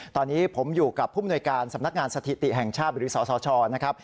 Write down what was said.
ตอนนี้ผมอยู่กับผู้มนวยการสำนักงานสถิติแห่งชาติหรือสสชนะครับ